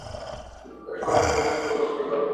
ছুঁচোগিরি করবি তো চিরকাল পড়ে থাকতে হবে।